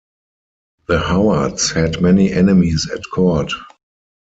The Howards had many enemies at court.